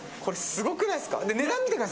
すごくないですか？